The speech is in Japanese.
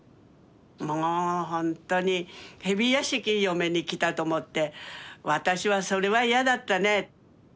もうほんとにヘビ屋敷嫁に来たと思って私はそれは嫌だったね。